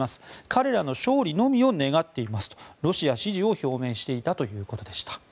彼らの勝利のみを願っていますとロシア支持を表明していたということでした。